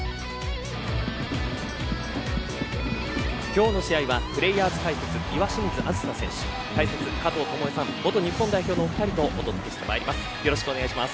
今日の試合はプレイヤーズ解説、岩清水梓選手解説、加藤與惠さん元日本代表のお二人とお伝えします。